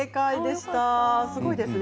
すごいですね。